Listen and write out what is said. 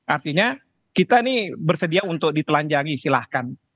artinya kita ini bersedia untuk ditelanjangi silahkan